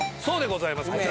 そうでございます。